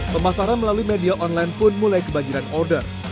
pemasaran melalui media online pun mulai kebanjiran order